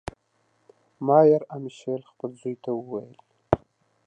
مایر امشیل خپل زوی ته وویل.